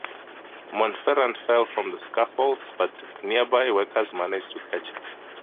Montferrand fell from the scaffolds, but nearby workers managed to catch him.